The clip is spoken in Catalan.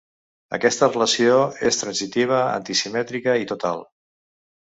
Aquesta relació és transitiva, antisimètrica i total.